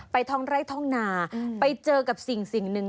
ท้องไร่ท้องนาไปเจอกับสิ่งหนึ่ง